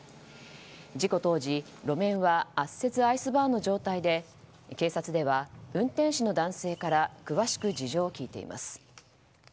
事故当時、路面は圧雪アイスバーンの状態で警察では、運転手の男性から詳しく事情を聴いています。